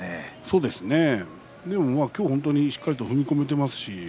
今日はしっかりと踏み込めています。